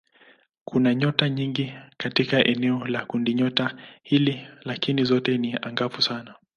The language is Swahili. Kuna nyota nyingi katika eneo la kundinyota hili lakini zote si angavu sana.